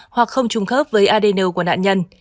hoặc không trùng khớp với adn của nạn nhân